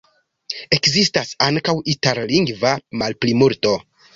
Ekzistas ankaŭ itallingva malplimulto.